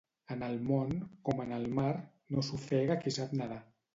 En el món, com en la mar, no s'ofega qui sap nadar.